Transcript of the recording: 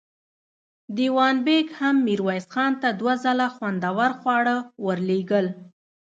دېوان بېګ هم ميرويس خان ته دوه ځله خوندور خواړه ور لېږل.